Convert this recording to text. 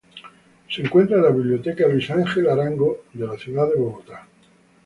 Se encuentra en la Biblioteca Luis Ángel Arango de la ciudad de Bogotá.